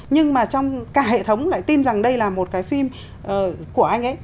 nhưng mà trong cả hệ thống lại tin rằng đây là một cái phim của anh ấy